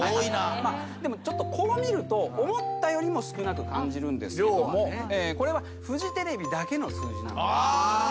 でもこう見ると思ったよりも少なく感じるんですがこれはフジテレビだけの数字なんで。